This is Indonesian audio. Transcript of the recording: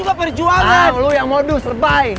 kamu yang modus bye